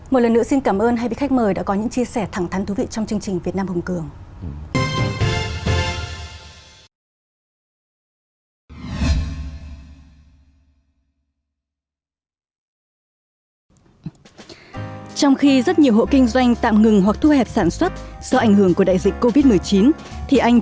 một lần nữa xin cảm ơn hai vị khách mời đã có những chia sẻ thẳng thắn thú vị trong chương trình việt nam hùng cường